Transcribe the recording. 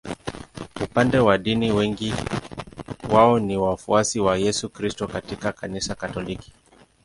Upande wa dini wengi wao ni wafuasi wa Yesu Kristo katika Kanisa Katoliki.